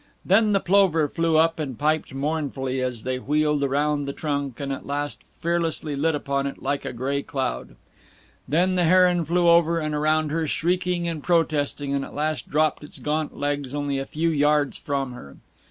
Then the plover flew up and piped mournfully as they wheeled around the trunk, and at last fearlessly lit upon it like a gray cloud. Then the heron flew over and around her, shrieking and protesting, and at last dropped its gaunt legs only a few yards from her.